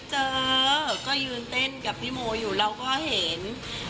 เจอก็ยืนเต้นกับพี่โมอยู่เราก็เห็น